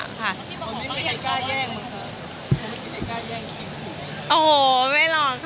คิมบอกว่าไม่ได้การแย่งมันค่ะคิมไม่ได้การแย่งคลิปของคุณ